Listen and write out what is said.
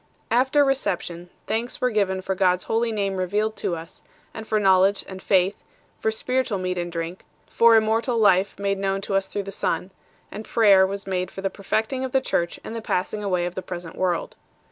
After reception, thanks were given for God s Holy Name revealed to us, and for knowledge and faith, for spiritual meat and drink ; for immortal life made known to us through the Son ; and prayer was made for the perfecting of the Church and the passing aw r ay of the present world.